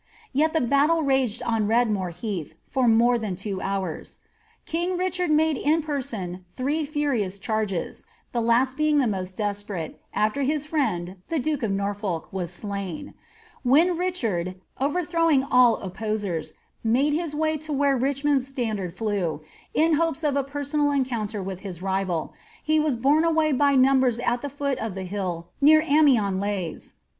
Yet the battle raffed on Redmore Heath for more than two hours. King Richard made in person three furious charges, the last being the most desperate, afVer his friend the duke of Norfolk was slain ; when Richard, overthrowing all opposers, made his way to where Richmond's standard flew, in hopes of a personal encounter with his rival, he was borne down by numbers at the foot of the hill near Am yon lays."